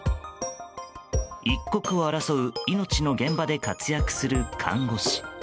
一刻を争う命の現場で活躍する看護師。